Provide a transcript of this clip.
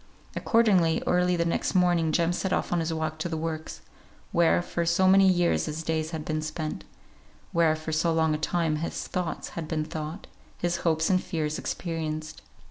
Accordingly, early the next morning Jem set off on his walk to the works, where for so many years his days had been spent; where for so long a time his thoughts had been thought, his hopes and fears experienced.